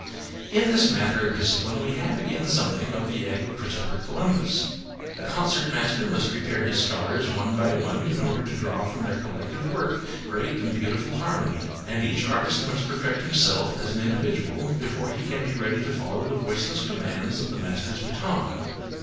In this matter of discipline we have again something of the egg of Christopher Columbus. A concert master must prepare his scholars one by one in order to draw from their collective work great and beautiful harmony; and each artist must perfect himself as an individual before he can be ready to follow the voiceless commands of the master's baton.